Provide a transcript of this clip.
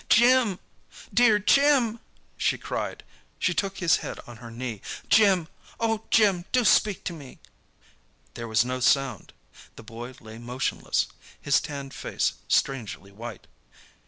"Jim—dear Jim!" she cried. She took his head on her knee. "Jim—oh, Jim, do speak to me!" There was no sound. The boy lay motionless, his tanned face strangely white.